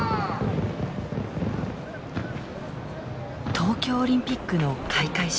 東京オリンピックの開会式。